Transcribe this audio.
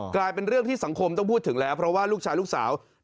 กลายเป็นเรื่องที่สังคมต้องพูดถึงแล้วเพราะว่าลูกชายลูกสาว